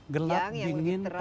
gelap dingin terang